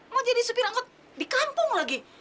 mau jadi supir angkut di kampung lagi